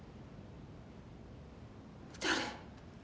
誰？